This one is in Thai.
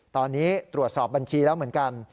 ตอนนี้ตรวจสอบบัญชีแล้วเหมือนกัน